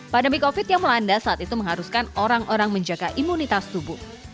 pandemi covid yang melanda saat itu mengharuskan orang orang menjaga imunitas tubuh